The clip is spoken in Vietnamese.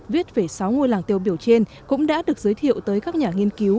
viết về sáu ngôi làng tiêu biểu trên cũng đã được giới thiệu tới các nhà nghiên cứu